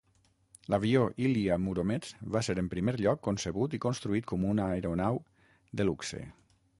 L'avió Ilya Muromets va ser en primer lloc concebut i construït com una aeronau de luxe.